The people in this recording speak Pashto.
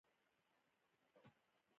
معلمانو ته خشکې وکړې.